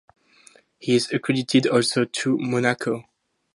He is accredited also to Monaco.